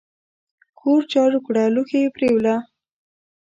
کور جارو کړه لوښي پریوله !